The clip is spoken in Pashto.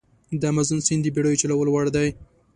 د امازون سیند د بېړیو چلولو وړ دی.